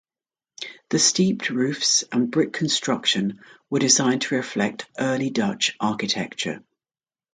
The steeped roofs and brick construction were designed to reflect early Dutch architecture.